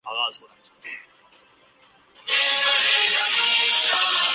Australian central western standard time